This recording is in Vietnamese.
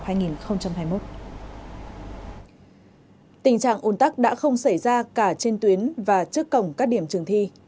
tình trạng ủn tóc đã không xảy ra cả trên tuyến và trước cổng các điểm trường thi